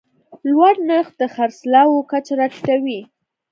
لوړ نرخ د خرڅلاو کچه راټیټوي.